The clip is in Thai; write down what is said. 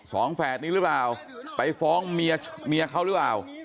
แฝดนี้หรือเปล่าไปฟ้องเมียเมียเขาหรือเปล่า